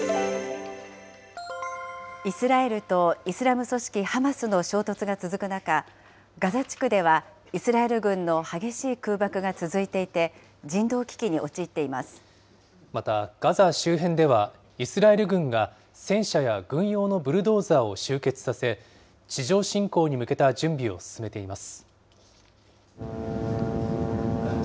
イスラエルとイスラム組織ハマスの衝突が続く中、ガザ地区ではイスラエル軍の激しい空爆が続いていて、また、ガザ周辺では、イスラエル軍が、戦車や軍用のブルドーザーを集結させ、地上侵攻に向けた準備を進めています。